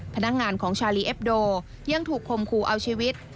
พนักงานของชาลีเอ็บโดยังถูกคมคู่เอาชีวิต